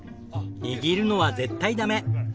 握るのは絶対ダメ。